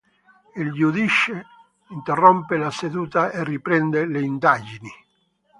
Il giudice interrompe la seduta e riprende le indagini.